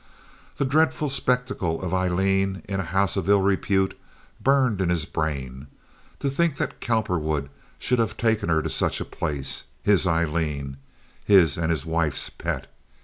The dreadful spectacle of Aileen in a house of ill repute burned in his brain. To think that Cowperwood should have taken her to such a place—his Aileen, his and his wife's pet.